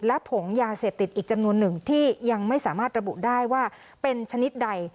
และผงยาเสพติดอีกจำนวนหนึ่งที่ยังไม่สามารถระบุได้ว่าเป็นชนิดใด